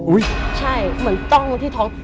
ใช่เหมือนจ้องมาที่ท้อง